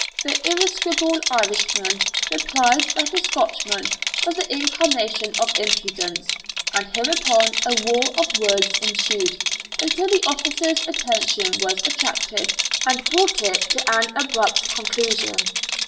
The irascible Irishman replied that a Scotchman was the incarnation of impudence and hereupon a war of words ensued, until the officers' attention was attracted and brought it to an abrupt conclusion.